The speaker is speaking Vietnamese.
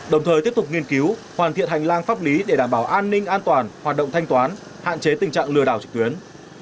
đồng thời tiếp tục nghiên cứu hoàn thiện hành lang pháp lý để đảm bảo an ninh an toàn hoạt động thanh toán hạn chế tình trạng lừa đảo trực tuyến